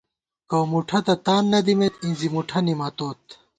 کَؤمُٹھہ تہ تان نہ دِمېت ، اِنزی مُٹھہ نِمَتوت